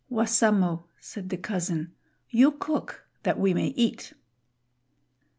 "Wassamo," said the cousin, "you cook that we may eat."